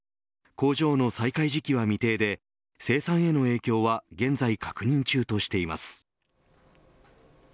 工場の再開時期は未定で生産への影響は現在確認中としています。